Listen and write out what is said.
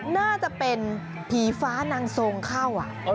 น่าจะเป็นผีฟ้านางทรงเข้า